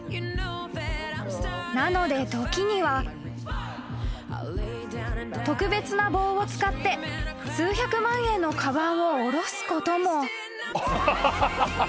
［なので時には］［特別な棒を使って数百万円のかばんを下ろすことも］